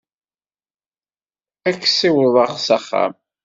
Ad k-ssiwḍeɣ s axxam?